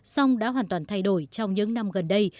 song đã hoàn toàn thay đổi trong những năm gần đây